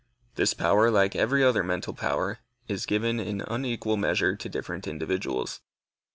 This power, like every other mental power, is given in unequal measure to different individuals.